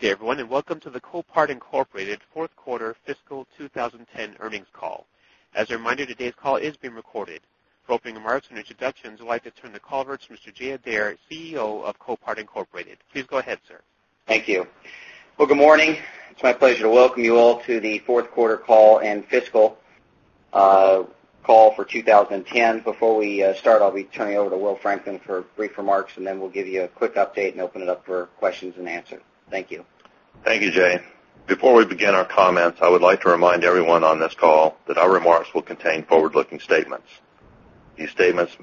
Good day, everyone, and welcome to the Copart, Inc fourth quarter fiscal 2010 Earnings Call. As a reminder, today's call is being recorded. For opening remarks and introductions, I'd like to turn the call over to Mr. Jay Adair, CEO of Copart, Inc. Please go ahead, sir. Thank you. Well, good morning. It's my pleasure to welcome you all to the fourth quarter call and fiscal call for 2010. Before we start, I'll be turning it over to William Franklin for brief remarks, and then we'll give you a quick update and open it up for questions and answers. Thank you. Thank you, Jay. Before we begin our comments, I would like to remind everyone on this call that our remarks will contain forward-looking statements. These statements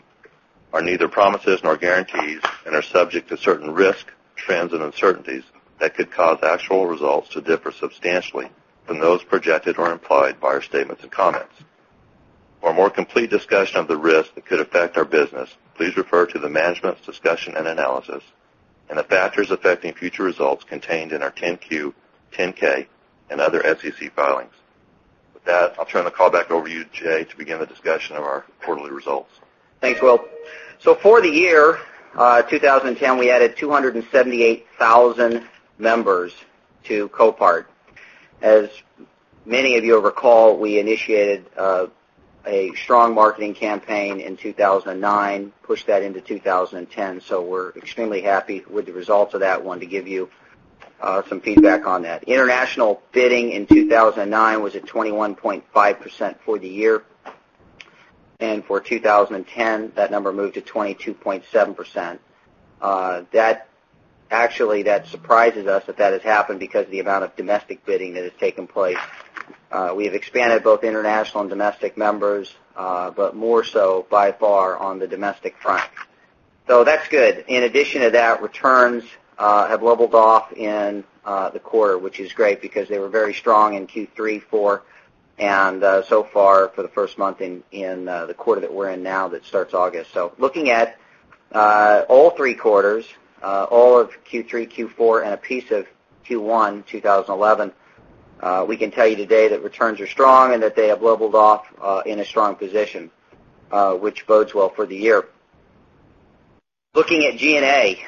are neither promises nor guarantees and are subject to certain risks, trends, and uncertainties that could cause actual results to differ substantially from those projected or implied by our statements and comments. For a more complete discussion of the risks that could affect our business, please refer to the management's discussion and analysis and the factors affecting future results contained in our 10-Q, 10-K, and other SEC filings. With that, I'll turn the call back over to you, Jay, to begin the discussion of our quarterly results. Thanks, Will. For the year 2010, we added 278,000 members to Copart. As many of you will recall, we initiated a strong marketing campaign in 2009, pushed that into 2010, so we're extremely happy with the results of that one to give you some feedback on that. International bidding in 2009 was at 21.5% for the year. For 2010, that number moved to 22.7%. Actually, that surprises us that that has happened because of the amount of domestic bidding that has taken place. We have expanded both international and domestic members, but more so by far on the domestic front. That's good. In addition to that, returns have leveled off in the quarter, which is great because they were very strong in Q3, Q4, and so far for the first month in the quarter that we're in now that starts August. Looking at all three quarters, all of Q3, Q4, and a piece of Q1 2011, we can tell you today that returns are strong and that they have leveled off in a strong position, which bodes well for the year. Looking at G&A,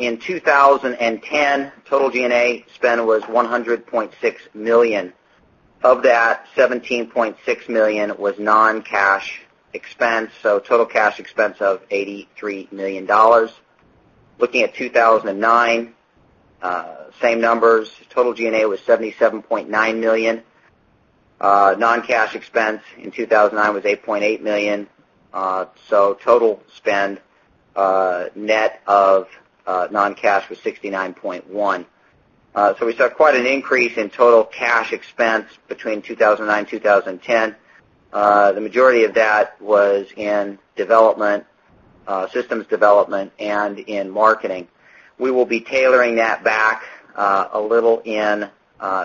in 2010, total G&A spend was $100.6 million. Of that, $17.6 million was non-cash expense, so total cash expense of $83 million. Looking at 2009, same numbers. Total G&A was $77.9 million. Non-cash expense in 2009 was $8.8 million. So total spend, net of non-cash was $69.1. We saw quite an increase in total cash expense between 2009, 2010. The majority of that was in development, systems development and in marketing. We will be tailoring that back a little in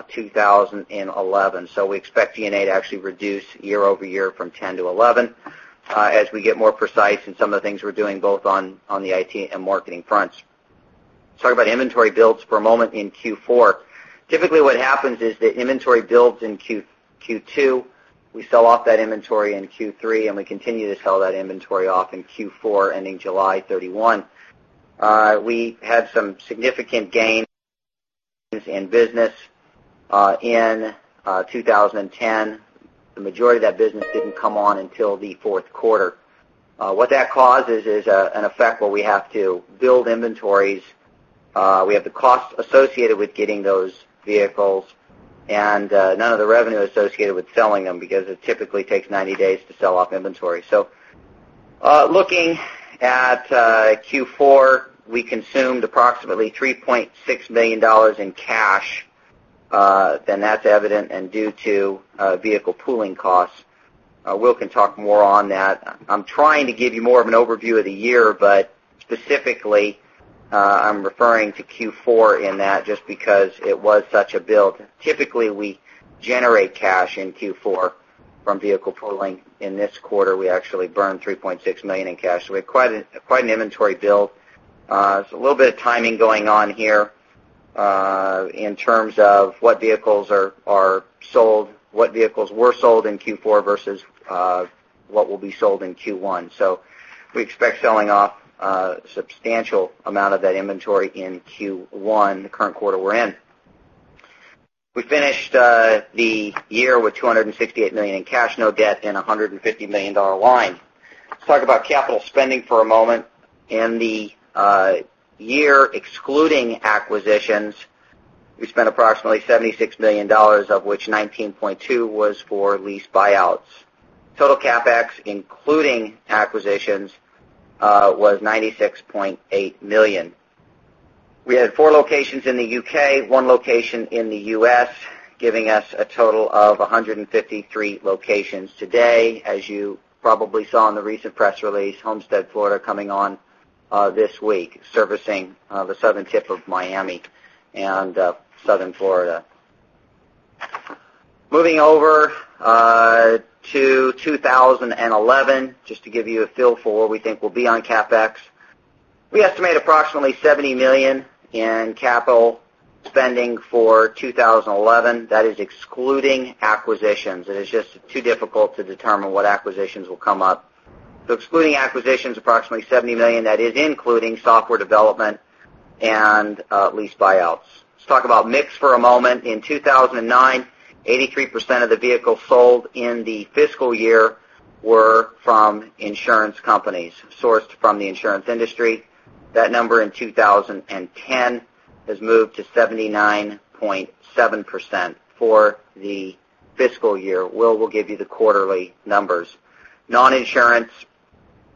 2011. We expect G&A to actually reduce year-over-year from 10-11 as we get more precise in some of the things we're doing both on the IT and marketing fronts. Let's talk about inventory builds for a moment in Q4. Typically, what happens is that inventory builds in Q2. We sell off that inventory in Q3, and we continue to sell that inventory off in Q4, ending July 31. We had some significant gains in business in 2010. The majority of that business didn't come on until the fourth quarter. What that causes is an effect where we have to build inventories. We have the cost associated with getting those vehicles and none of the revenue associated with selling them because it typically takes 90 days to sell off inventory. Looking at Q4, we consumed approximately $3.6 million in cash, and that's evident and due to vehicle pooling costs. Will can talk more on that. I'm trying to give you more of an overview of the year, but specifically, I'm referring to Q4 in that just because it was such a build. Typically, we generate cash in Q4 from vehicle pooling. In this quarter, we actually burned $3.6 million in cash. We had quite an inventory build. There's a little bit of timing going on here, in terms of what vehicles are sold, what vehicles were sold in Q4 versus what will be sold in Q1. We expect selling off a substantial amount of that inventory in Q1, the current quarter we're in. We finished the year with $268 million in cash, no debt, and a $150 million line. Let's talk about capital spending for a moment. In the year, excluding acquisitions, we spent approximately $76 million, of which $19.2 was for lease buyouts. Total CapEx, including acquisitions, was $96.8 million. We had four locations in the U.K., one location in the U.S., giving us a total of 153 locations today. As you probably saw in the recent press release, Homestead, Florida, coming on this week, servicing the southern tip of Miami and southern Florida. Moving over to 2011, just to give you a feel for what we think will be on CapEx. We estimate approximately $70 million in capital spending for 2011. That is excluding acquisitions. It is just too difficult to determine what acquisitions will come up. Excluding acquisitions, approximately $70 million, that is including software development and lease buyouts. Let's talk about mix for a moment. In 2009, 83% of the vehicles sold in the fiscal year were from insurance companies, sourced from the insurance industry. That number in 2010 has moved to 79.7% for the fiscal year. Will give you the quarterly numbers. Non-insurance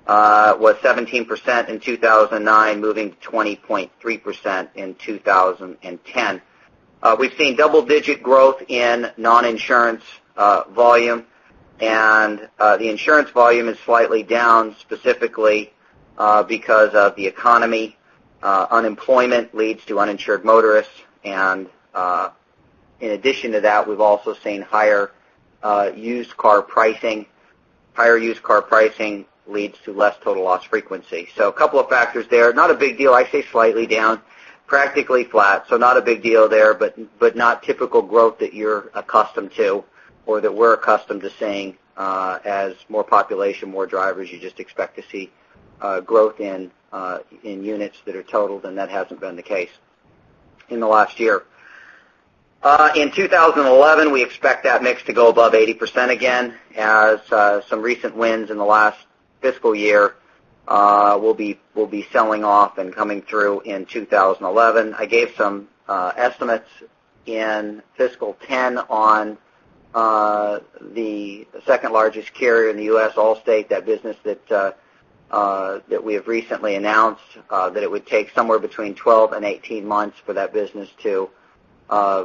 was 17% in 2009, moving to 20.3% in 2010. We've seen double-digit growth in non-insurance volume. The insurance volume is slightly down specifically because of the economy. Unemployment leads to uninsured motorists. In addition to that, we've also seen higher used car pricing. Higher used car pricing leads to less total loss frequency. A couple of factors there. Not a big deal. I say slightly down, practically flat, so not a big deal there, but not typical growth that you're accustomed to or that we're accustomed to seeing. As more population, more drivers, you just expect to see growth in units that are totaled, and that hasn't been the case in the last year. In 2011, we expect that mix to go above 80% again, as some recent wins in the last fiscal year will be selling off and coming through in 2011. I gave some estimates in FY 2010 on the second-largest carrier in the U.S., Allstate. That business that we have recently announced that it would take somewhere between 12 and 18 months for that business to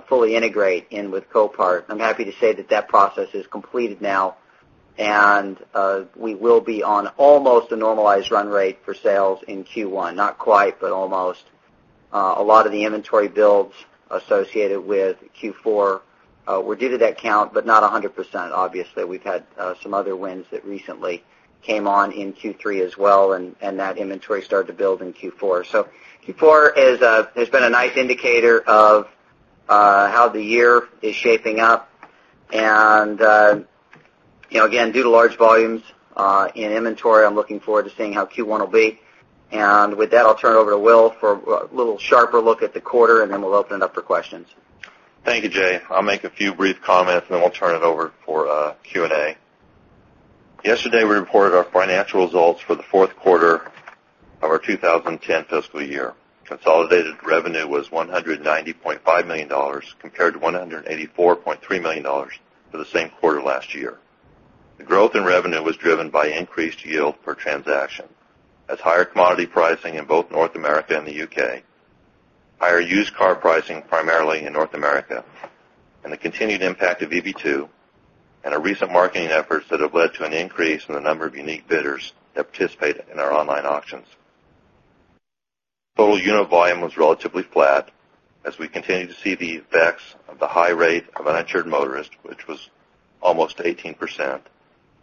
fully integrate in with Copart. I'm happy to say that that process is completed now, and we will be on almost a normalized run rate for sales in Q1. Not quite, but almost. A lot of the inventory builds associated with Q4 were due to that count, but not 100%. Obviously, we've had some other wins that recently came on in Q3 as well, and that inventory started to build in Q4. Q4 is has been a nice indicator of how the year is shaping up. You know, again, due to large volumes in inventory, I'm looking forward to seeing how Q1 will be. With that, I'll turn it over to Will for a little sharper look at the quarter, and then we'll open it up for questions. Thank you, Jay. I'll make a few brief comments, and then we'll turn it over for Q&A. Yesterday, we reported our financial results for the fourth quarter of our 2010 fiscal year. Consolidated revenue was $190.5 million, compared to $184.3 million for the same quarter last year. The growth in revenue was driven by increased yield per transaction as higher commodity pricing in both North America and the U.K., higher used car pricing primarily in North America, and the continued impact of VB2, and our recent marketing efforts that have led to an increase in the number of unique bidders that participate in our online auctions. Total unit volume was relatively flat as we continue to see the effects of the high rate of uninsured motorist, which was almost 18%,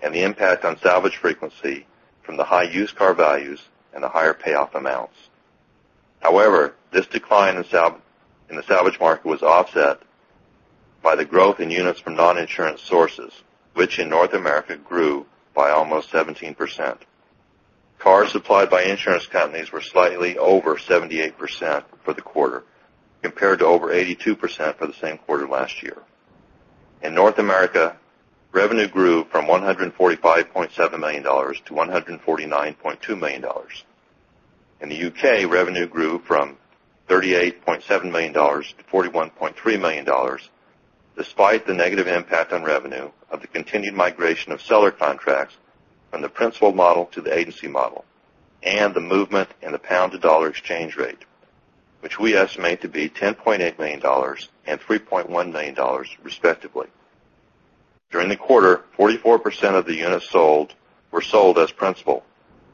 and the impact on salvage frequency from the high used car values and the higher payoff amounts. However, this decline in the salvage market was offset by the growth in units from non-insurance sources, which in North America grew by almost 17%. Cars supplied by insurance companies were slightly over 78% for the quarter, compared to over 82% for the same quarter last year. In North America, revenue grew from $145.7 million-$149.2 million. In the U.K., revenue grew from $38.7 million-$41.3 million, despite the negative impact on revenue of the continued migration of seller contracts from the principal model to the agency model, and the movement in the pound-to-dollar exchange rate, which we estimate to be $10.8 million and $3.1 million, respectively. During the quarter, 44% of the units sold were sold as principal,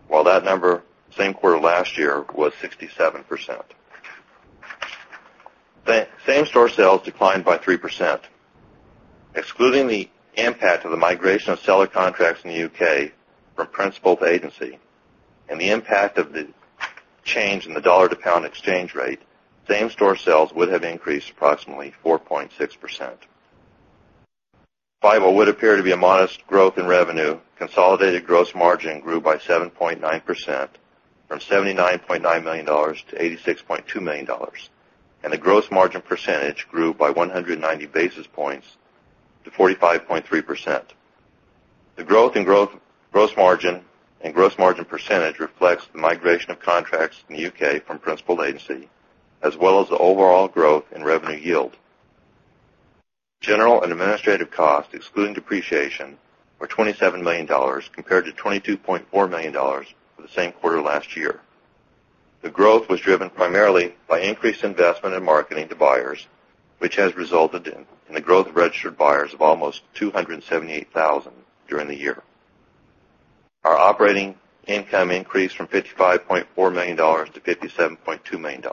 while that number same quarter last year was 67%. Same store sales declined by 3%. Excluding the impact of the migration of seller contracts in the U.K. from principal to agency and the impact of the change in the dollar to pound exchange rate, same-store sales would have increased approximately 4.6%. While it would appear to be a modest growth in revenue, consolidated gross margin grew by 7.9% from $79.9 million-$86.2 million, and the gross margin percentage grew by 190 basis points to 45.3%. The growth in gross margin and gross margin percentage reflects the migration of contracts in the U.K. from principal to agency, as well as the overall growth in revenue yield. General and administrative costs, excluding depreciation, were $27 million, compared to $22.4 million for the same quarter last year. The growth was driven primarily by increased investment in marketing to buyers, which has resulted in the growth of registered buyers of almost 278,000 during the year. Our operating income increased from $55.4 million-$57.2 million.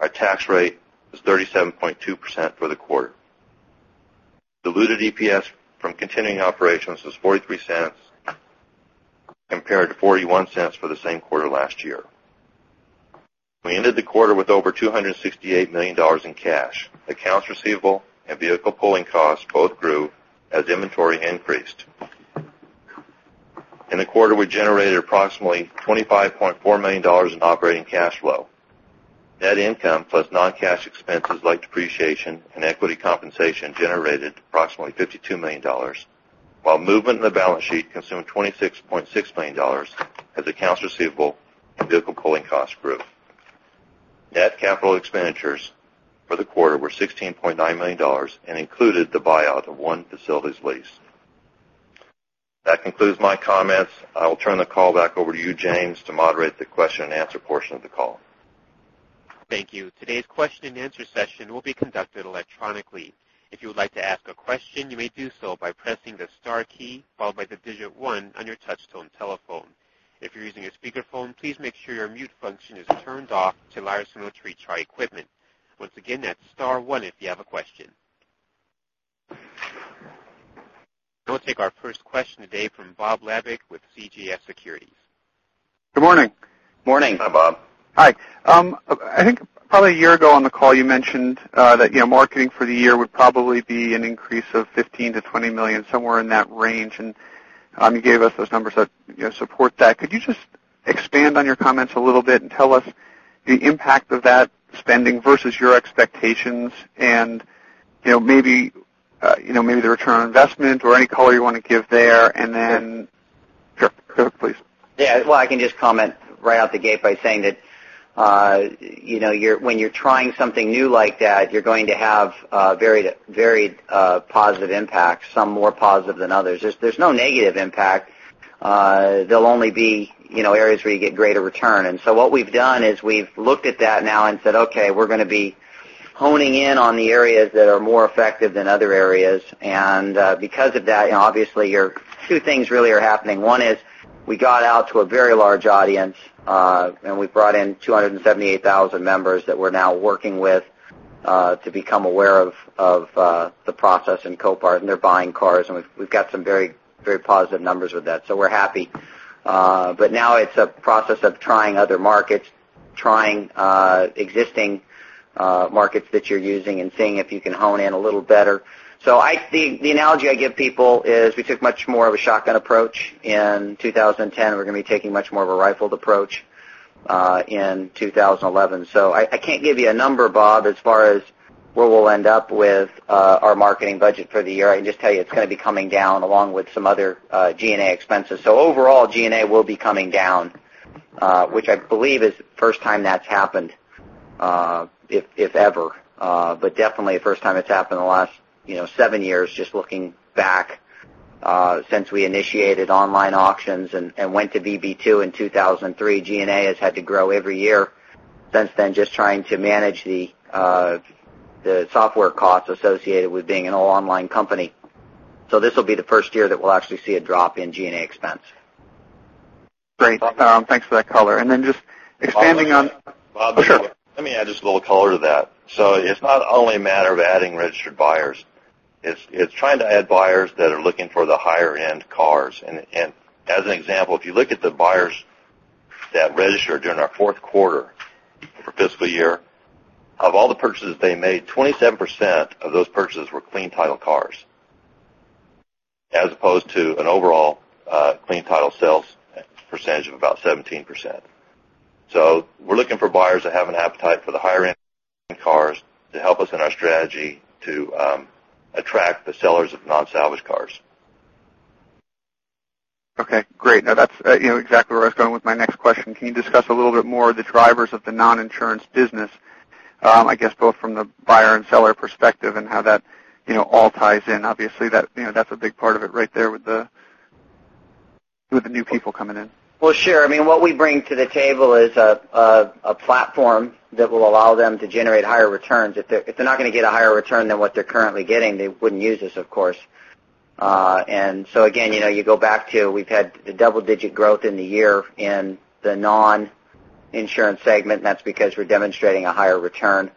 Our tax rate was 37.2% for the quarter. Diluted EPS from continuing operations was $0.43 compared to $0.41 for the same quarter last year. We ended the quarter with over $268 million in cash. Accounts receivable and vehicle pooling costs both grew as inventory increased. In the quarter, we generated approximately $25.4 million in operating cash flow. Net income plus non-cash expenses like depreciation and equity compensation generated approximately $52 million, while movement in the balance sheet consumed $26.6 million as accounts receivable and vehicle pooling costs grew. Net capital expenditures for the quarter were $16.9 million and included the buyout of one facility's lease. That concludes my comments. I will turn the call back over to you, James, to moderate the question-and-answer portion of the call. Thank you. Today’s question and answer session will be conducted electronically. If you would like to ask a question, you may do so by pressing the star key, followed by the digit one on your touchtone telephone. If you’re using a speakerphone, please make sure your mute function is turned off to allow your signal to reach our equipment. Once again, that’s star one if you have a question. We'll take our first question today from Bob Labick with CJS Securities. Good morning. Morning. Hi, Bob Labick. Hi. I think probably a year ago on the call, you mentioned that, you know, marketing for the year would probably be an increase of $15 million-$20 million, somewhere in that range. You gave us those numbers that, you know, support that. Could you just expand on your comments a little bit and tell us the impact of that spending versus your expectations and, you know, maybe, you know, maybe the return on investment or any color you want to give there. Sure. Sure. Sure, please. Yeah. Well, I can just comment right out the gate by saying that, you know, when you're trying something new like that, you're going to have varied positive impacts, some more positive than others. There's no negative impact. They'll only be, you know, areas where you get greater return. What we've done is we've looked at that now and said, okay, we're gonna be honing in on the areas that are more effective than other areas. Because of that, you know, obviously, two things really are happening. One is we got out to a very large audience, we brought in 278,000 members that we're now working with to become aware of the process in Copart, they're buying cars, we've got some very, very positive numbers with that. We're happy. Now it's a process of trying other markets, trying existing markets that you're using seeing if you can hone in a little better. I think the analogy I give people is we took much more of a shotgun approach in 2010, we're gonna be taking much more of a rifled approach in 2011. I can't give you a number, Bob Labick, as far as where we'll end up with our marketing budget for the year. I can just tell you it's gonna be coming down along with some other G&A expenses. Overall, G&A will be coming down, which I believe is the first time that's happened, if ever, but definitely the first time it's happened in the last, you know, seven years, just looking back, since we initiated online auctions and went to VB2 in 2003. G&A has had to grow every year since then, just trying to manage the software costs associated with being an all online company. This will be the first year that we'll actually see a drop in G&A expense. Great. Thanks for that color. Then just expanding on. Bob, Sure. Let me add just a little color to that. It's not only a matter of adding registered buyers. It's trying to add buyers that are looking for the higher-end cars. As an example, if you look at the buyers that registered during our fourth quarter for fiscal year, of all the purchases they made, 27% of those purchases were clean title cars, as opposed to an overall clean title sales percentage of about 17%. We're looking for buyers that have an appetite for the higher-end cars to help us in our strategy to attract the sellers of non-salvage cars. Okay, great. Now, that's, you know, exactly where I was going with my next question. Can you discuss a little bit more the drivers of the non-insurance business, I guess, both from the buyer and seller perspective and how that, you know, all ties in? Obviously, that, you know, that's a big part of it right there with the, with the new people coming in. Well, sure. I mean, what we bring to the table is a platform that will allow them to generate higher returns. If they're not gonna get a higher return than what they're currently getting, they wouldn't use this, of course. Again, you know, you go back to we've had the double-digit growth in the year in the non-insurance segment, and that's because we're demonstrating a higher return.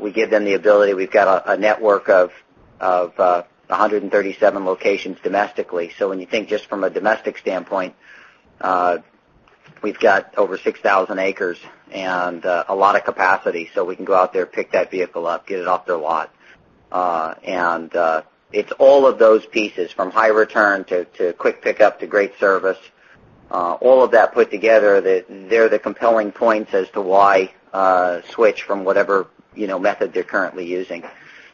We give them the ability. We've got a network of 137 locations domestically. When you think just from a domestic standpoint, we've got over 6,000 acres and a lot of capacity, we can go out there, pick that vehicle up, get it off their lot. It's all of those pieces from high return to quick pickup to great service. All of that put together that they're the compelling points as to why switch from whatever, you know, method they're currently using.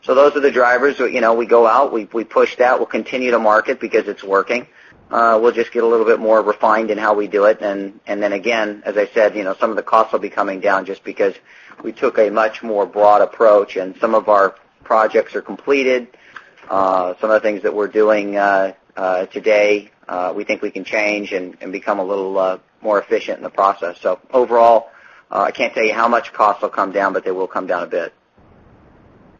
Those are the drivers. You know, we go out, we push that. We'll continue to market because it's working. We'll just get a little bit more refined in how we do it. Then again, as I said, you know, some of the costs will be coming down just because we took a much more broad approach, and some of our projects are completed. Some of the things that we're doing today, we think we can change and become a little more efficient in the process. Overall, I can't tell you how much cost will come down, but they will come down a bit.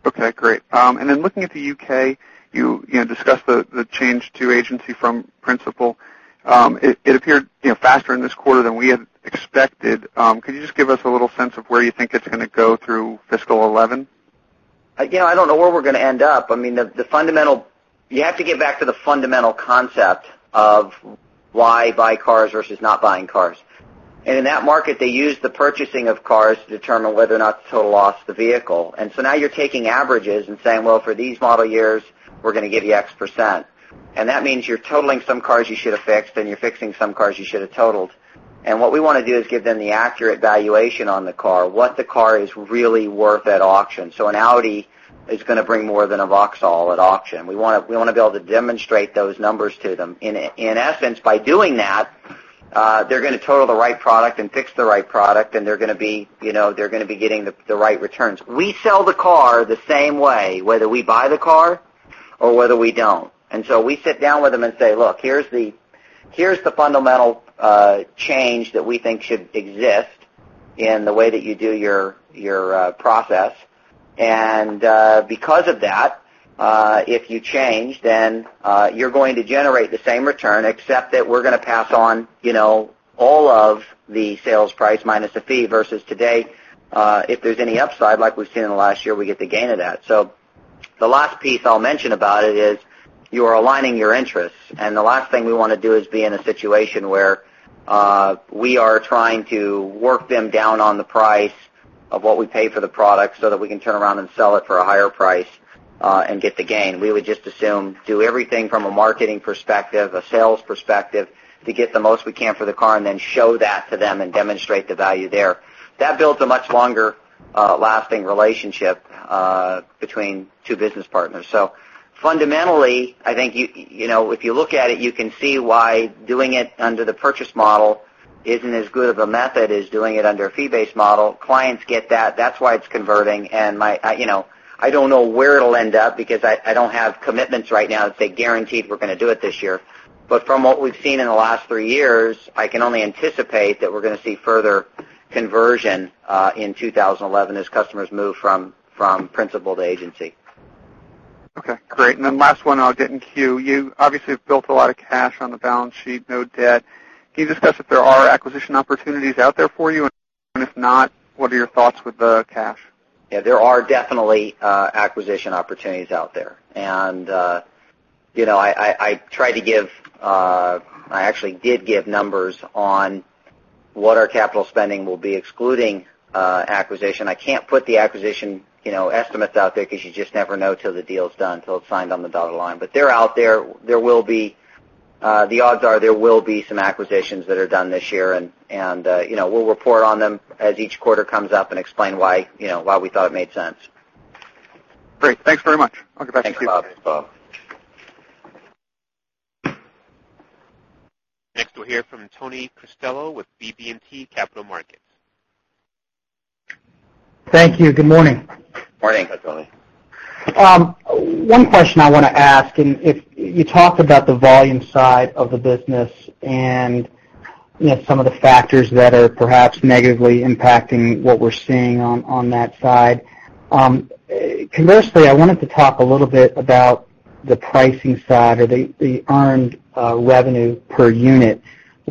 Okay, great. Looking at the U.K., you know, discussed the change to agency from principal. It appeared, you know, faster in this quarter than we had expected. Could you just give us a little sense of where you think it's gonna go through fiscal 2011? I don't know where we're going to end up. I mean, the fundamental concept of why buy cars versus not buying cars. In that market, they use the purchasing of cars to determine whether or not to total loss the vehicle. Now you're taking averages and saying, "Well, for these model years, we're going to give you X%." That means you're totaling some cars you should have fixed, and you're fixing some cars you should have totaled. What we want to do is give them the accurate valuation on the car, what the car is really worth at auction. An Audi is going to bring more than a Vauxhall at auction. We want to be able to demonstrate those numbers to them. In essence, by doing that, they're going to total the right product and fix the right product, and, you know, they're going to be getting the right returns. We sell the car the same way, whether we buy the car or whether we don't. We sit down with them and say, "Look, here's the fundamental change that we think should exist in the way that you do your process. Because of that, if you change, then you're going to generate the same return, except that we're going to pass on, you know, all of the sales price minus a fee versus today, if there's any upside, like we've seen in the last year, we get the gain of that." The last piece I'll mention about it is you are aligning your interests. The last thing we want to do is be in a situation where we are trying to work them down on the price of what we pay for the product so that we can turn around and sell it for a higher price, and get the gain. We would just assume do everything from a marketing perspective, a sales perspective to get the most we can for the car and then show that to them and demonstrate the value there. That builds a much longer lasting relationship between two business partners. Fundamentally, I think you know, if you look at it, you can see why doing it under the purchase model isn't as good of a method as doing it under a fee-based model. Clients get that. That's why it's converting. My, I, you know, I don't know where it'll end up because I don't have commitments right now to say guaranteed we're going to do it this year. From what we've seen in the last three years, I can only anticipate that we're going to see further conversion in 2011 as customers move from principal to agency. Okay, great. Last one I'll get in queue. You obviously have built a lot of cash on the balance sheet, no debt. Can you discuss if there are acquisition opportunities out there for you? If not, what are your thoughts with the cash? Yeah. There are definitely acquisition opportunities out there. You know, I, I try to give, I actually did give numbers on what our capital spending will be excluding acquisition. I can't put the acquisition, you know, estimates out there because you just never know till the deal's done, till it's signed on the dotted line. They're out there. There will be the odds are there will be some acquisitions that are done this year, and, you know, we'll report on them as each quarter comes up and explain why, you know, why we thought it made sense. Great. Thanks very much. I will get back to you. Thanks, Bob. Next, we'll hear from Tony Costello with BB&T Capital Markets. Thank you. Good morning. Morning. Hi, Tony. One question I want to ask, and if you talked about the volume side of the business and, you know, some of the factors that are perhaps negatively impacting what we're seeing on that side. Conversely, I wanted to talk a little bit about the pricing side or the earned revenue per unit.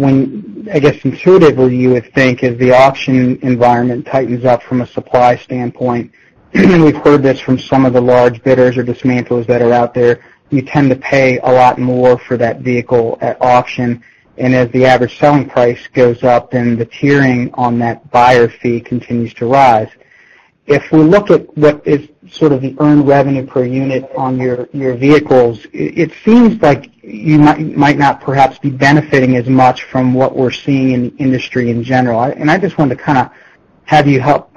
I guess intuitively, you would think if the auction environment tightens up from a supply standpoint, and we've heard this from some of the large bidders or dismantlers that are out there, you tend to pay a lot more for that vehicle at auction. As the average selling price goes up, then the tiering on that buyer fee continues to rise. If we look at what is sort of the earned revenue per unit on your vehicles, it seems like you might not perhaps be benefiting as much from what we're seeing in the industry in general. I just wanted to kind of have you help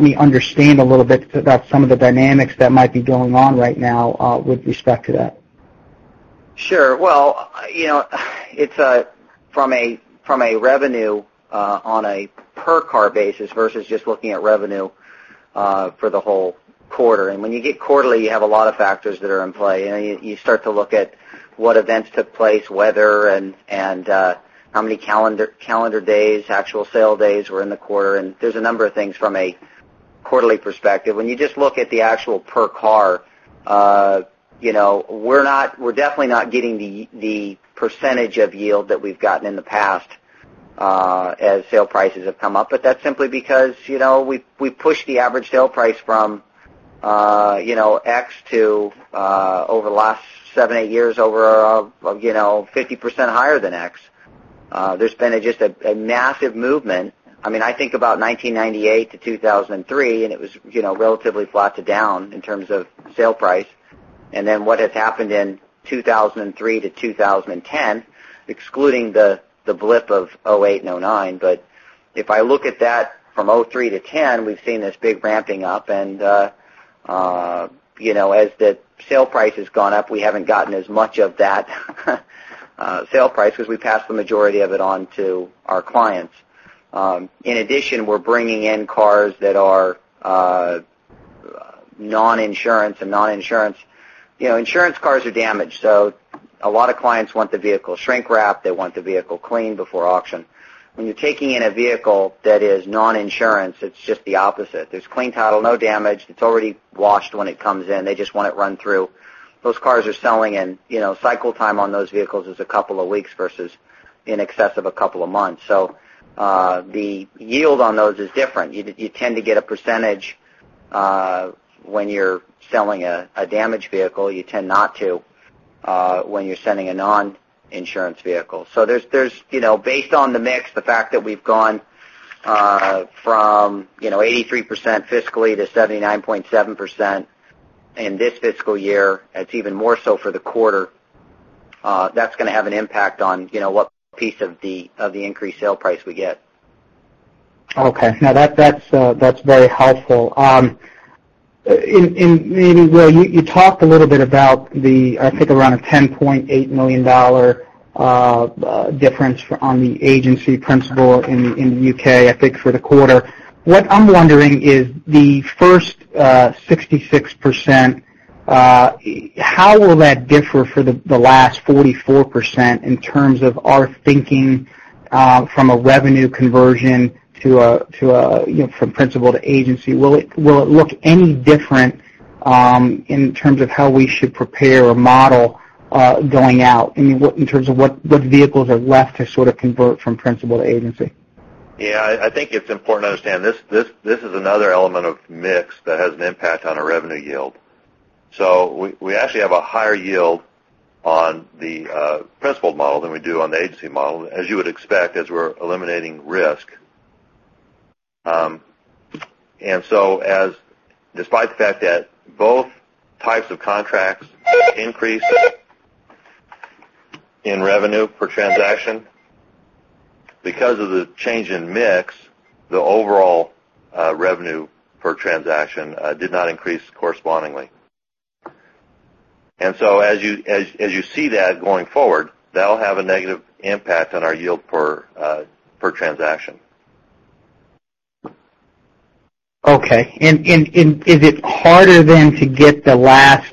me understand a little bit about some of the dynamics that might be going on right now with respect to that. Sure. Well, you know, it's from a, from a revenue, on a per car basis versus just looking at revenue, for the whole quarter. When you get quarterly, you have a lot of factors that are in play, and you start to look at what events took place, weather and how many calendar days, actual sale days were in the quarter. There's a number of things from a quarterly perspective. When you just look at the actual per car, you know, we're definitely not getting the percentage of yield that we've gotten in the past, as sale prices have come up. That's simply because, you know, we've pushed the average sale price from, you know, X to, over the last seven, eight years over, you know, 50% higher than X. There's been just a massive movement. I mean, I think about 1998-2003, and it was, you know, relatively flat to down in terms of sale price. What has happened in 2003-2010, excluding the blip of 2008 and 2009. If I look at that from 2003-2010, we've seen this big ramping up, and, you know, as the sale price has gone up, we haven't gotten as much of that sale price because we passed the majority of it on to our clients. In addition, we're bringing in cars that are non-insurance. You know, insurance cars are damaged, a lot of clients want the vehicle shrink-wrapped. They want the vehicle cleaned before auction. When you're taking in a vehicle that is non-insurance, it's just the opposite. There's clean title, no damage. It's already washed when it comes in. They just want it run through. Those cars are selling and, you know, cycle time on those vehicles is a couple of weeks versus in excess of a couple of months. The yield on those is different. You tend to get a percentage when you're selling a damaged vehicle. You tend not to when you're selling a non-insurance vehicle. There's, you know, based on the mix, the fact that we've gone from, you know, 83% fiscally to 79.7% in this fiscal year, it's even more so for the quarter, that's gonna have an impact on, you know, what piece of the, of the increased sale price we get. Okay. No, that's very helpful. Maybe, Will, you talked a little bit about the, I think around a $10.8 million difference on the agency principal in the U.K., I think for the quarter. What I'm wondering is the first 66%, how will that differ for the last 44% in terms of our thinking, from a revenue conversion to a, to a, you know, from principal to agency? Will it look any different, in terms of how we should prepare or model, going out? I mean, in terms of what vehicles are left to sort of convert from principal to agency? Yeah. I think it's important to understand this is another element of mix that has an impact on our revenue yield. We actually have a higher yield on the principal model than we do on the agency model, as you would expect, as we're eliminating risk. Despite the fact that both types of contracts increased in revenue per transaction, because of the change in mix, the overall revenue per transaction did not increase correspondingly. As you see that going forward, that'll have a negative impact on our yield per transaction. Okay. Is it harder then to get the last,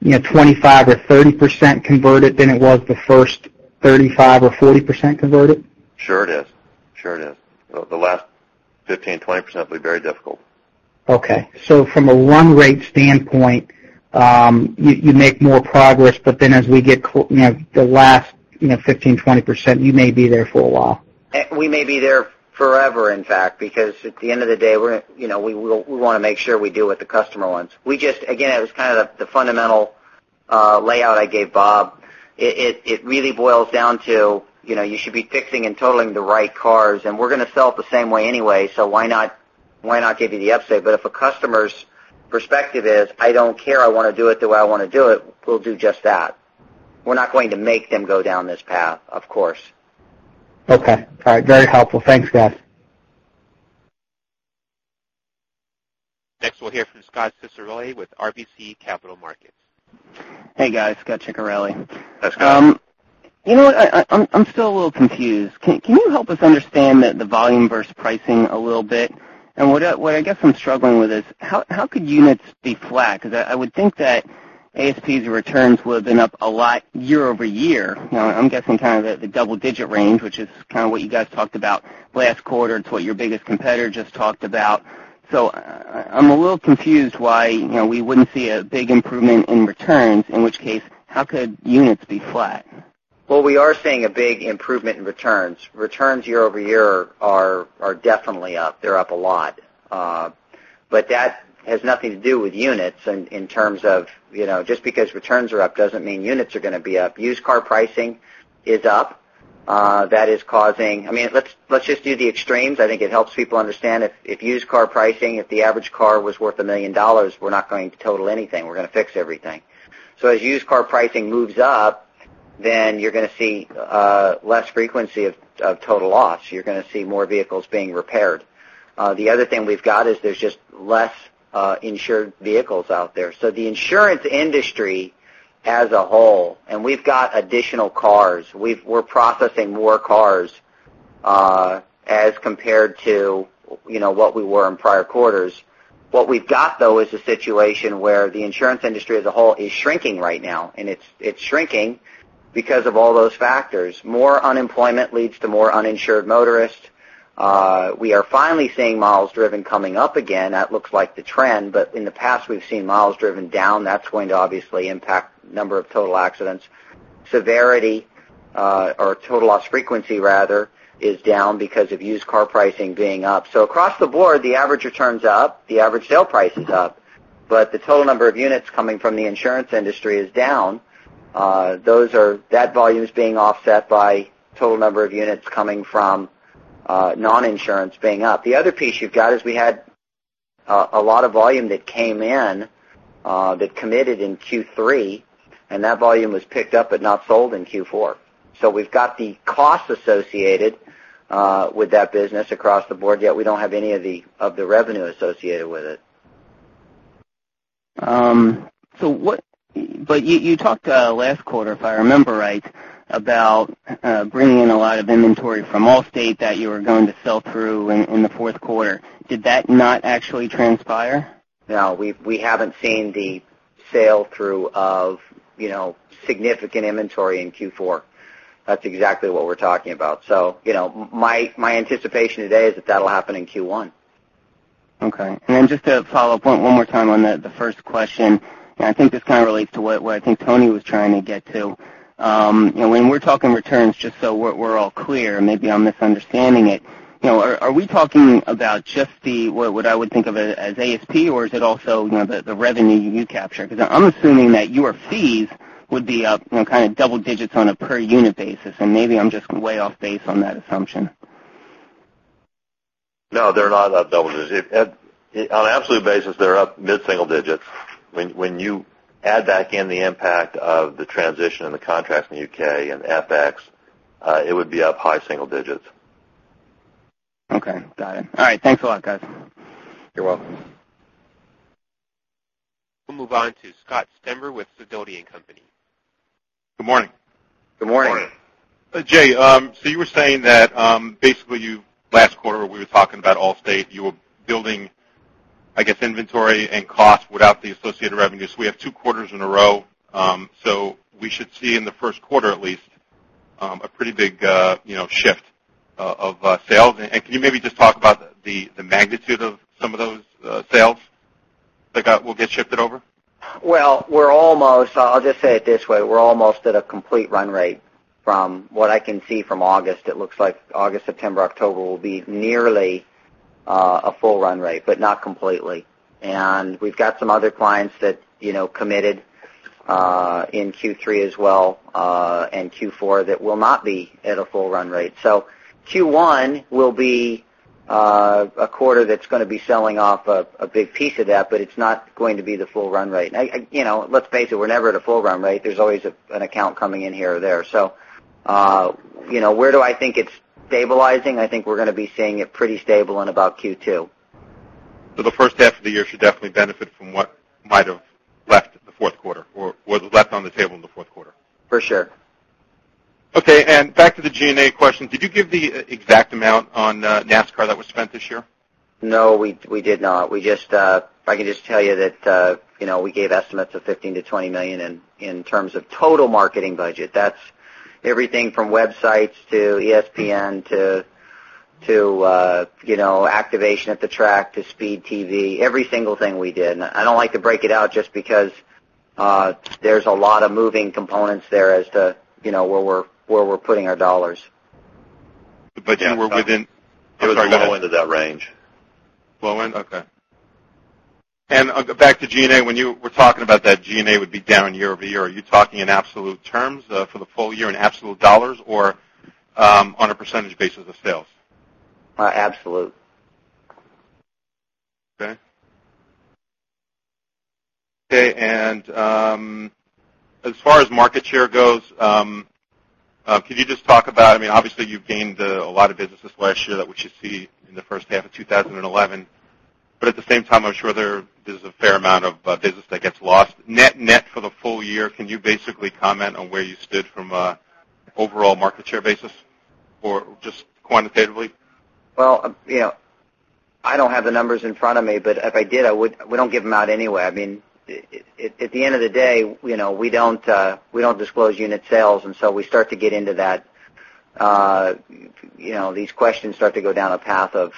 you know, 25% or 30% converted than it was the first 35% or 40% converted? Sure it is. Sure it is. The last 15%, 20% will be very difficult. Okay. From a run rate standpoint, you make more progress, as we get you know, the last, you know, 15%, 20%, you may be there for a while. We may be there forever, in fact, because at the end of the day, we're, you know, we want to make sure we do what the customer wants. Again, it was kind of the fundamental layout I gave Bob. It really boils down to, you know, you should be fixing and totaling the right cars, and we're gonna sell it the same way anyway, so why not give you the upsell? If a customer's perspective is, "I don't care, I wanna do it the way I wanna do it," we'll do just that. We're not going to make them go down this path, of course. Okay. All right. Very helpful. Thanks, guys. Next, we'll hear from Scot Ciccarelli with RBC Capital Markets. Hey, guys. Scot Ciccarelli. Hi, Scot. You know what? I'm still a little confused. Can you help us understand the volume versus pricing a little bit? What I guess I'm struggling with is: how could units be flat? 'Cause I would think that ASPs returns would have been up a lot year-over-year. You know, I'm guessing kind of at the double-digit range, which is kind of what you guys talked about last quarter. It's what your biggest competitor just talked about. I'm a little confused why, you know, we wouldn't see a big improvement in returns, in which case, how could units be flat? We are seeing a big improvement in returns. Returns year-over-year are definitely up. They're up a lot. That has nothing to do with units in terms of, you know, just because returns are up doesn't mean units are gonna be up. Used car pricing is up. I mean, let's just do the extremes. I think it helps people understand. If used car pricing, if the average car was worth $1 million, we're not going to total anything. We're gonna fix everything. As used car pricing moves up, you're gonna see less frequency of total loss. You're gonna see more vehicles being repaired. The other thing we've got is there's just less insured vehicles out there. The insurance industry as a whole, we've got additional cars. We're processing more cars, you know, as compared to what we were in prior quarters. What we've got, though, is a situation where the insurance industry as a whole is shrinking right now, and it's shrinking because of all those factors. More unemployment leads to more uninsured motorists. We are finally seeing miles driven coming up again. That looks like the trend, but in the past, we've seen miles driven down. That's going to obviously impact number of total accidents. Severity, or total loss frequency, rather, is down because of used car pricing being up. Across the board, the average returns up, the average sale price is up, but the total number of units coming from the insurance industry is down. That volume is being offset by total number of units coming from non-insurance being up. The other piece you've got is we had a lot of volume that came in that committed in Q3. That volume was picked up but not sold in Q4. We've got the cost associated with that business across the board, yet we don't have any of the revenue associated with it. You talked last quarter, if I remember right, about bringing in a lot of inventory from Allstate that you were going to sell through in the fourth quarter. Did that not actually transpire? No. We haven't seen the sell through of, you know, significant inventory in Q4. That's exactly what we're talking about. You know, my anticipation today is that that'll happen in Q1. Just to follow up one more time on the first question, I think this kind of relates to what I think Tony was trying to get to. You know, when we're talking returns, just so we're all clear, maybe I'm misunderstanding it, you know, are we talking about just the what I would think of as ASP, or is it also, you know, the revenue you capture? I'm assuming that your fees would be up, you know, kind of double digits on a per unit basis, and maybe I'm just way off base on that assumption. No, they're not up double digits. It on an absolute basis, they're up mid-single digits. When you add back in the impact of the transition and the contracts in the U.K. and FX, it would be up high single digits. Okay, got it. All right. Thanks a lot, guys. You're welcome. We'll move on to Scott Stember with Sidoti & Company. Good morning. Good morning. Morning. Jay, so you were saying that basically you last quarter when we were talking about Allstate, you were building, I guess, inventory and cost without the associated revenues. We have two quarters in a row, so we should see in the first quarter at least, a pretty big, you know, shift of sales. Can you maybe just talk about the magnitude of some of those sales that will get shifted over? Well, we're almost I'll just say it this way, we're almost at a complete run rate. From what I can see from August, it looks like August, September, October will be nearly a full run rate, but not completely. We've got some other clients that, you know, committed in Q3 as well, and Q4 that will not be at a full run rate. Q1 will be a quarter that's gonna be selling off a big piece of that, but it's not going to be the full run rate. I, you know, let's face it, we're never at a full run rate. There's always an account coming in here or there. You know, where do I think it's stabilizing? I think we're gonna be seeing it pretty stable in about Q2. The first half of the year should definitely benefit from what might have left the fourth quarter or was left on the table in the fourth quarter. For sure. Okay. Back to the G&A question. Did you give the exact amount on NASCAR that was spent this year? No, we did not. We just, I can just tell you that, you know, we gave estimates of $15 million-$20 million in terms of total marketing budget. That's everything from websites to ESPN to, you know, activation at the track to Speed TV, every single thing we did. I don't like to break it out just because there's a lot of moving components there as to, you know, where we're putting our dollars. But you were within- It was low end of that range. Low end? Okay. Back to G&A. When you were talking about that G&A would be down year-over-year, are you talking in absolute terms for the full year in absolute dollars or on a percentage basis of sales? Absolute. Okay. Okay, and as far as market share goes, could you just talk about, I mean, obviously, you've gained a lot of businesses last year that we should see in the first half of 2011. At the same time, I'm sure there is a fair amount of business that gets lost. Net for the full year, can you basically comment on where you stood from a overall market share basis or just quantitatively? Well, you know, I don't have the numbers in front of me, but if I did, we don't give them out anyway. I mean, at the end of the day, you know, we don't disclose unit sales. We start to get into that, you know, these questions start to go down a path of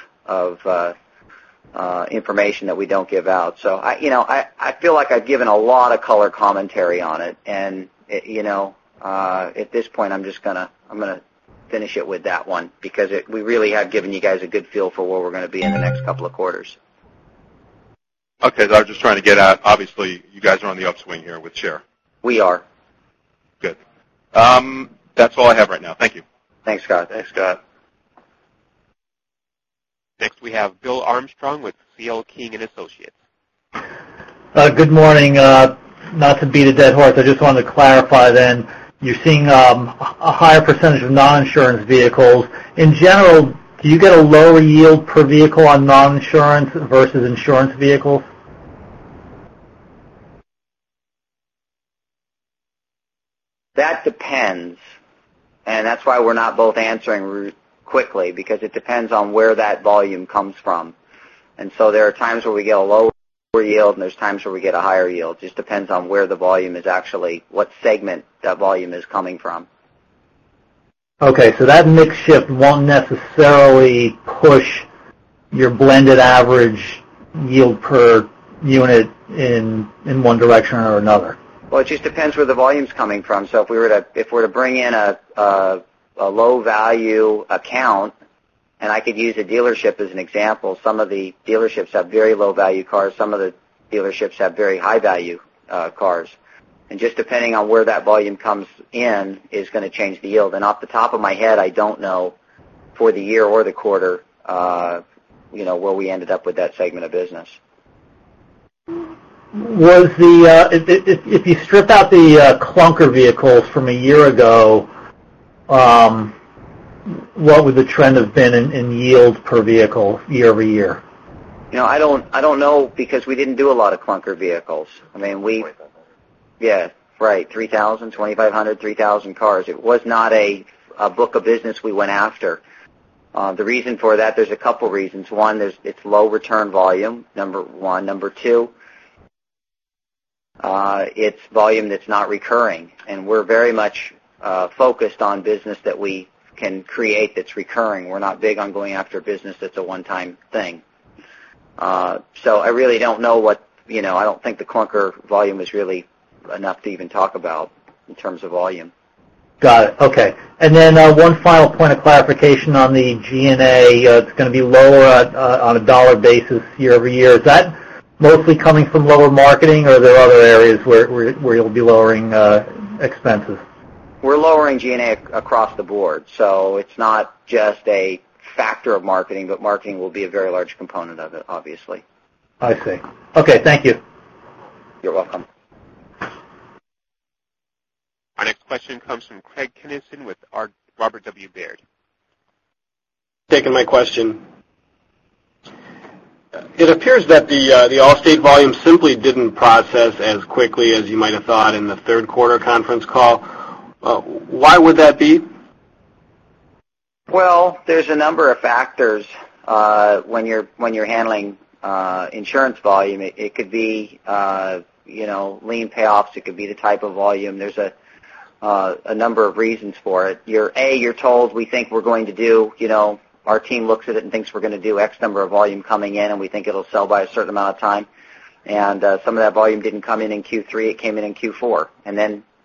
information that we don't give out. I, you know, I feel like I've given a lot of color commentary on it. You know, at this point, I'm just gonna finish it with that one because we really have given you guys a good feel for where we're gonna be in the next couple of quarters. Okay. I was just trying to get at, obviously, you guys are on the upswing here with share. We are. Good. That's all I have right now. Thank you. Thanks, Scott. Thanks, Scott. Next, we have William Armstrong with CL King & Associates. Good morning. Not to beat a dead horse, I just wanted to clarify then. You're seeing a higher percentage of non-insurance vehicles. In general, do you get a lower yield per vehicle on non-insurance versus insurance vehicles? That depends, and that's why we're not both answering quickly, because it depends on where that volume comes from. There are times where we get a lower yield, and there's times where we get a higher yield. Just depends on what segment that volume is coming from. Okay. That mix shift won't necessarily push your blended average yield per unit in one direction or another. Well, it just depends where the volume's coming from. If we were to bring in a low value account, and I could use a dealership as an example, some of the dealerships have very low value cars, some of the dealerships have very high value cars. Just depending on where that volume comes in is gonna change the yield. Off the top of my head, I don't know for the year or the quarter, you know, where we ended up with that segment of business. If you strip out the clunker vehicles from a year ago, what would the trend have been in yield per vehicle year-over-year? You know, I don't know because we didn't do a lot of clunker vehicles. I mean, Yeah, right. 3,000, 2,500, 3,000 cars. It was not a book of business we went after. The reason for that, there's a couple reasons. One, it's low return volume, number one. Number two, it's volume that's not recurring, and we're very much focused on business that we can create that's recurring. We're not big on going after business that's a one-time thing. I really don't know what, you know, I don't think the clunker volume is really enough to even talk about in terms of volume. Got it. Okay. Then, one final point of clarification on the G&A. It's gonna be lower on a dollar basis year-over-year. Is that mostly coming from lower marketing, or are there other areas where you'll be lowering expenses? We're lowering G&A across the board, so it's not just a factor of marketing, but marketing will be a very large component of it, obviously. I see. Okay, thank you. You're welcome. Our next question comes from Craig Kennison with Robert W. Baird. Taking my question. It appears that the Allstate volume simply didn't process as quickly as you might have thought in the third quarter conference call. Why would that be? There's a number of factors when you're handling insurance volume. It could be, you know, lien payoffs. It could be the type of volume. There's a number of reasons for it. You're told, we think we're going to do, you know, our team looks at it and thinks we're gonna do X number of volume coming in, and we think it'll sell by a certain amount of time. Some of that volume didn't come in in Q3, it came in in Q4.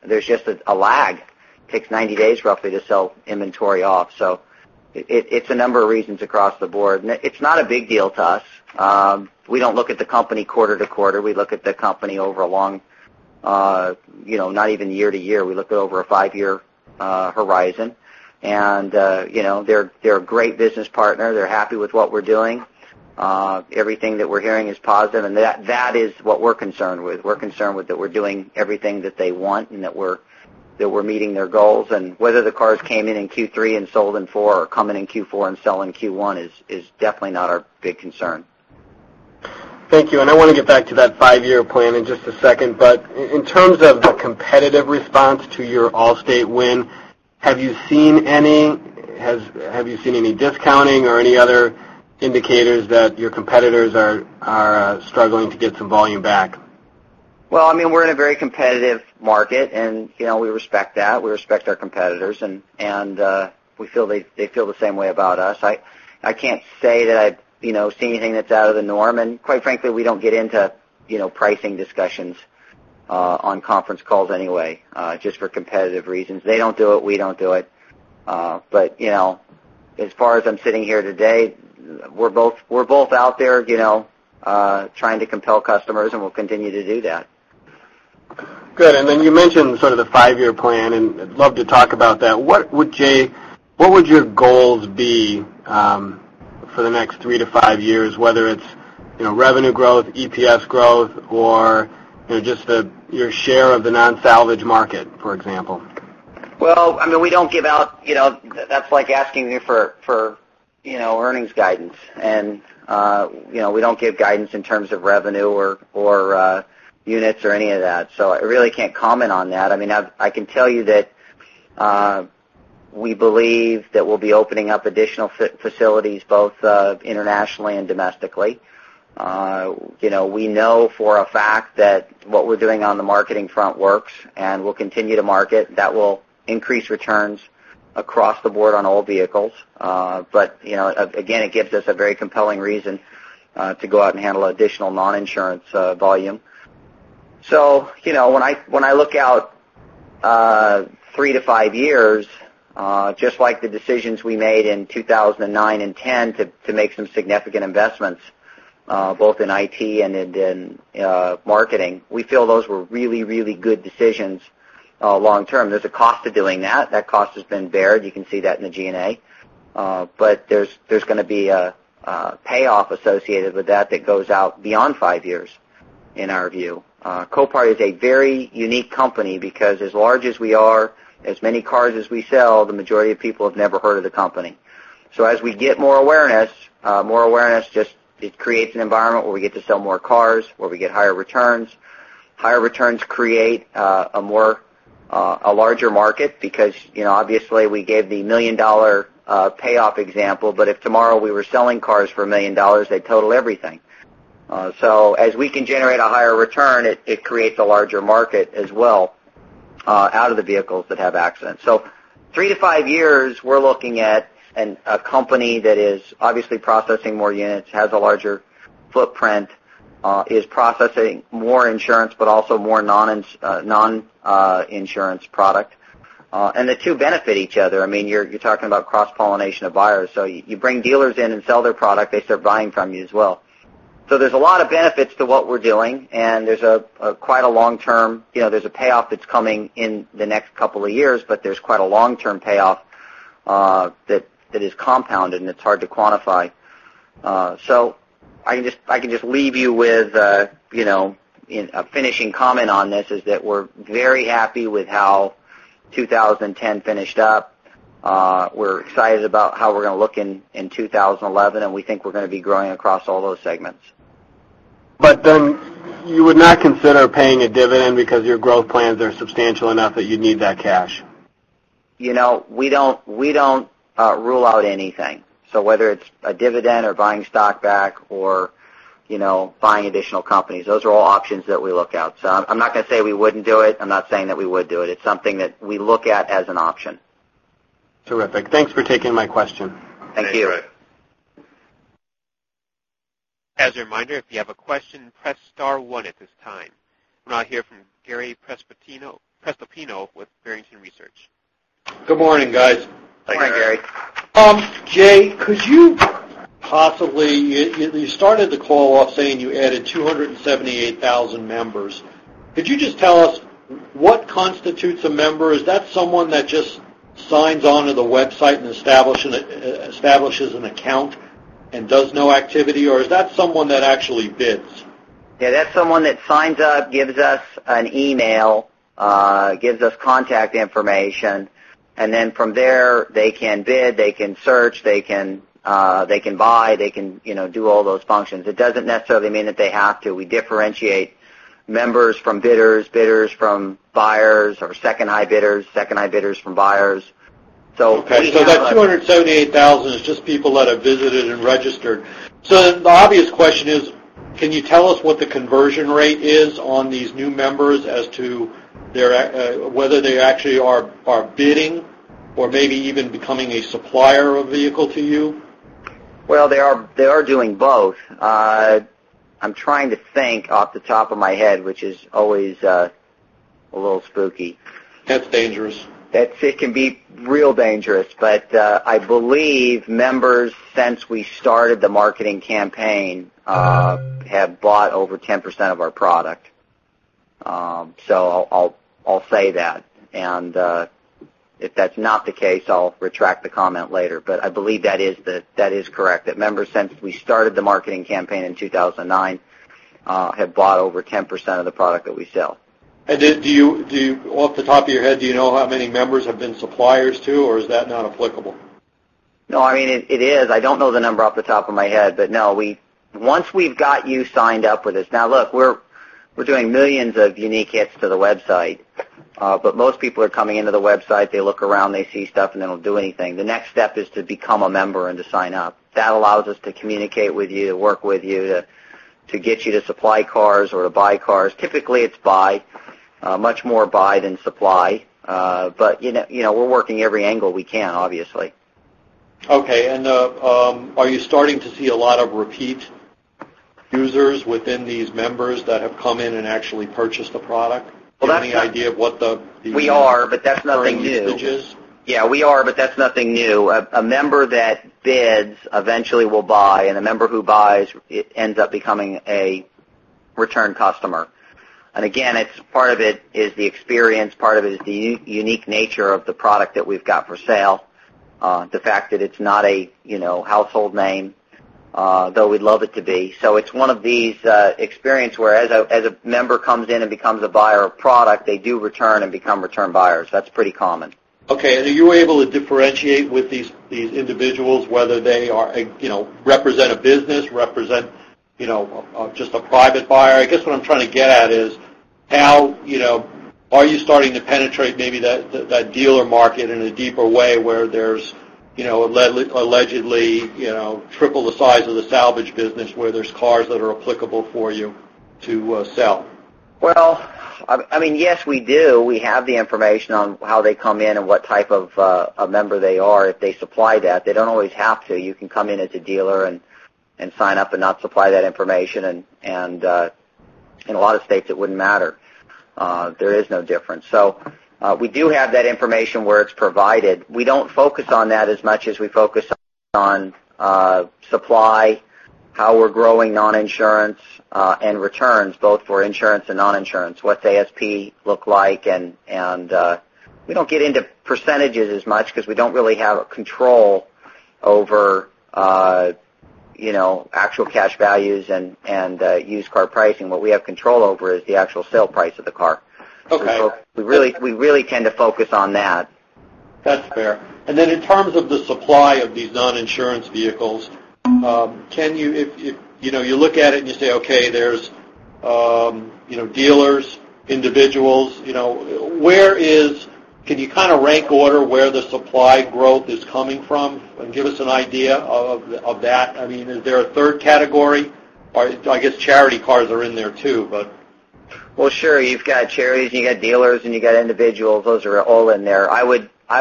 There's just a lag. Takes 90 days roughly to sell inventory off. It's a number of reasons across the board. It's not a big deal to us. We don't look at the company quarter-to-quarter. We look at the company over a long, you know, not even year-to-year. We look at over a five year horizon. You know, they're a great business partner. They're happy with what we're doing. Everything that we're hearing is positive, and that is what we're concerned with. We're concerned with that we're doing everything that they want and that we're meeting their goals. Whether the cars came in in Q3 and sold in Q4 or come in in Q4 and sell in Q1 is definitely not our big concern. Thank you. I want to get back to that five-year plan in just a second. In terms of the competitive response to your Allstate win, have you seen any discounting or any other indicators that your competitors are struggling to get some volume back? Well, I mean, we're in a very competitive market, you know, we respect that. We respect our competitors, and we feel they feel the same way about us. I can't say that I've, you know, seen anything that's out of the norm. Quite frankly, we don't get into, you know, pricing discussions on conference calls anyway, just for competitive reasons. They don't do it. We don't do it. You know, as far as I'm sitting here today, we're both out there, you know, trying to compel customers, we'll continue to do that. Good. Then you mentioned sort of the five-year plan, and I'd love to talk about that. What would, Jay, what would your goals be for the next three to five years, whether it's, you know, revenue growth, EPS growth or, you know, just the, your share of the non-salvage market, for example? Well, I mean, we don't give out, you know, that's like asking me for, you know, earnings guidance. You know, we don't give guidance in terms of revenue or units or any of that. I really can't comment on that. I mean, I can tell you that we believe that we'll be opening up additional facilities both internationally and domestically. You know, we know for a fact that what we're doing on the marketing front works, we'll continue to market. That will increase returns across the board on all vehicles. You know, again, it gives us a very compelling reason to go out and handle additional non-insurance volume. You know, when I, when I look out, three to five years, just like the decisions we made in 2009 and 2010 to make some significant investments, both in IT and in marketing, we feel those were really, really good decisions, long term. There's a cost to doing that. That cost has been bared. You can see that in the G&A. But there's gonna be a payoff associated with that that goes out beyond five years in our view. Copart is a very unique company because as large as we are, as many cars as we sell, the majority of people have never heard of the company. As we get more awareness, more awareness, it creates an environment where we get to sell more cars, where we get higher returns. Higher returns create a more, a larger market because, you know, obviously we gave the $1 million payoff example, but if tomorrow we were selling cars for $1 million, they'd total everything. As we can generate a higher return, it creates a larger market as well out of the vehicles that have accidents. three to five years, we're looking at a company that is obviously processing more units, has a larger footprint, is processing more insurance, but also more non-insurance product. The two benefit each other. I mean, you're talking about cross-pollination of buyers. You bring dealers in and sell their product, they start buying from you as well. There's a lot of benefits to what we're doing, and there's a quite a long term. You know, there's a payoff that's coming in the next couple of years, but there's quite a long-term payoff, that is compounded, and it's hard to quantify. I can just leave you with, you know, in a finishing comment on this, is that we're very happy with how 2010 finished up. We're excited about how we're gonna look in 2011, and we think we're gonna be growing across all those segments. You would not consider paying a dividend because your growth plans are substantial enough that you need that cash? You know, we don't rule out anything. Whether it's a dividend or buying stock back or, you know, buying additional companies, those are all options that we look out. I'm not gonna say we wouldn't do it. I'm not saying that we would do it. It's something that we look at as an option. Terrific. Thanks for taking my question. Thank you. As a reminder, if you have a question, press star one at this time. We'll now hear from Gary Prestopino with Barrington Research. Good morning, guys. Good morning, Gary. Jay, could you possibly you started the call off saying you added 278,000 members. Could you just tell us what constitutes a member? Is that someone that just signs on to the website and establishes an account and does no activity, or is that someone that actually bids? That's someone that signs up, gives us an email, gives us contact information, and then from there, they can bid, they can search, they can buy, they can, you know, do all those functions. It doesn't necessarily mean that they have to. We differentiate members from bidders from buyers or second high bidders, second high bidders from buyers. Okay. That 278,000 is just people that have visited and registered. The obvious question is, can you tell us what the conversion rate is on these new members as to whether they actually are bidding or maybe even becoming a supplier of vehicle to you? They are doing both. I'm trying to think off the top of my head, which is always a little spooky. That's dangerous. It can be real dangerous, but I believe members since we started the marketing campaign have bought over 10% of our product. I'll say that. If that's not the case, I'll retract the comment later. I believe that is correct, that members since we started the marketing campaign in 2009 have bought over 10% of the product that we sell. Do you off the top of your head, do you know how many members have been suppliers too, or is that not applicable? No, I mean, it is. I don't know the number off the top of my head. No, once we've got you signed up with us. Now, look, we're doing millions of unique hits to the website. Most people are coming into the website, they look around, they see stuff, and they don't do anything. The next step is to become a member and to sign up. That allows us to communicate with you, to work with you, to get you to supply cars or to buy cars. Typically, it's buy, much more buy than supply. You know, we're working every angle we can, obviously. Okay. Are you starting to see a lot of repeat users within these members that have come in and actually purchased the product? Well, that's the- Do you have any idea of what the? We are, but that's nothing new. current usage is? Yeah, we are, but that's nothing new. A member that bids eventually will buy, and a member who buys ends up becoming a return customer. Again, it's part of it is the experience, part of it is the unique nature of the product that we've got for sale, the fact that it's not a, you know, household name, though we'd love it to be. It's one of these experience where as a member comes in and becomes a buyer of product, they do return and become return buyers. That's pretty common. Okay. Are you able to differentiate with these individuals whether they are you know, represent a business, represent, you know, just a private buyer? I guess what I'm trying to get at is how, you know, are you starting to penetrate maybe that dealer market in a deeper way where there's, you know, allegedly, you know, triple the size of the salvage business where there's cars that are applicable for you to sell? Well, I mean, yes, we do. We have the information on how they come in and what type of a member they are if they supply that. They don't always have to. You can come in as a dealer and sign up and not supply that information. In a lot of states, it wouldn't matter. There is no difference. We do have that information where it's provided. We don't focus on that as much as we focus on supply, how we're growing non-insurance, and returns both for insurance and non-insurance, what's ASP look like. We don't get into percentages as much because we don't really have a control over, you know, actual cash values and used car pricing. What we have control over is the actual sale price of the car. Okay. We really tend to focus on that. That's fair. In terms of the supply of these non-insurance vehicles, can you know, you look at it, and you say, okay, there's, you know, dealers, individuals, you know, can you kind of rank order where the supply growth is coming from and give us an idea of that? I mean, is there a third category? I guess charity cars are in there too. Well, sure. You've got charities, and you got dealers, and you got individuals. Those are all in there. I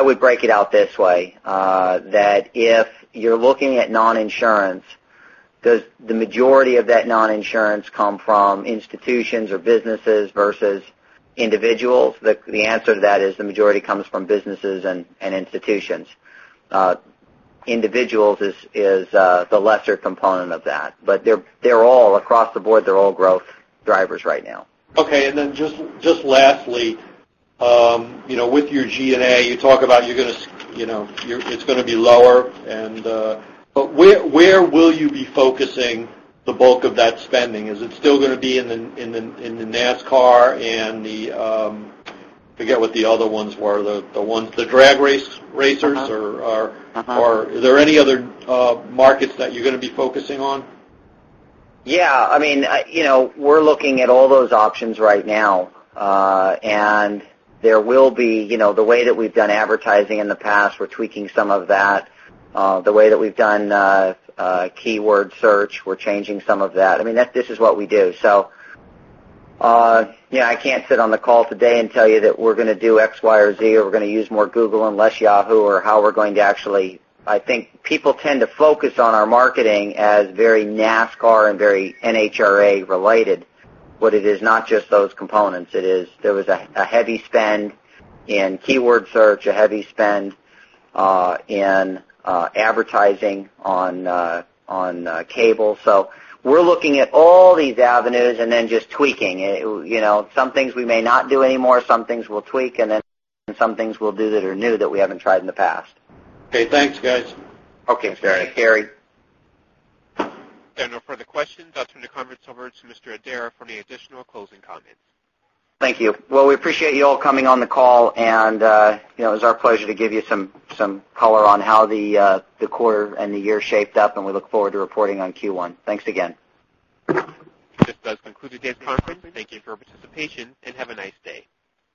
would break it out this way, that if you're looking at non-insurance, does the majority of that non-insurance come from institutions or businesses versus individuals? The answer to that is the majority comes from businesses and institutions. Individuals is the lesser component of that. They're all across the board, they're all growth drivers right now. Okay. Just lastly, you know, with your G&A, you talk about you're gonna you know, it's gonna be lower and, where will you be focusing the bulk of that spending? Is it still gonna be in the NASCAR and the, I forget what the other ones were, the ones, the drag race, racers or? Is there any other markets that you're gonna be focusing on? Yeah. I mean, you know, we're looking at all those options right now. You know, the way that we've done advertising in the past, we're tweaking some of that. The way that we've done keyword search, we're changing some of that. I mean, this is what we do. Yeah, I can't sit on the call today and tell you that we're gonna do X, Y, or Z, or we're gonna use more Google and less Yahoo or how we're going to actually I think people tend to focus on our marketing as very NASCAR and very NHRA related, but it is not just those components. There was a heavy spend in keyword search, a heavy spend in advertising on cable. We're looking at all these avenues and then just tweaking. You know, some things we may not do anymore, some things we'll tweak, and then some things we'll do that are new that we haven't tried in the past. Okay. Thanks, guys. Okay. Thanks, Gary. Thanks, Gary. There are no further questions. I'll turn the conference over to Mr. Adair for any additional closing comments. Thank you. Well, we appreciate you all coming on the call, and, you know, it was our pleasure to give you some color on how the quarter and the year shaped up, and we look forward to reporting on Q1. Thanks again. This does conclude today's conference. Thank you for your participation, and have a nice day.